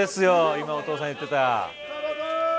今、お父さんが言っていた。